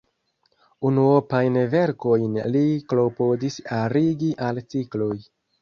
Unuopajn verkojn li klopodis arigi al cikloj.